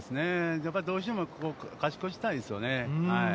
やっぱりどうしても、勝ち越したいですよね。